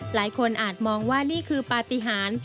หลายคนอาจมองว่านี่คือปฏิหาร